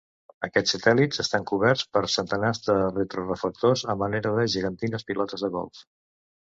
Aquests satèl·lits estan coberts per centenars de retroreflector a manera de gegantines pilotes de golf.